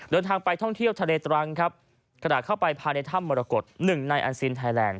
เดินทางไปท่องเที่ยวทะเลตรังขนาดเข้าไปพาในถ้ำมรกฎ๑ในอันซินไทยแลนด์